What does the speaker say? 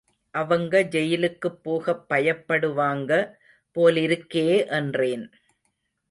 அவங்க ஜெயிலுக்குப் போகப் பயப்படுவாங்க போலிருக்கே என்றேன்.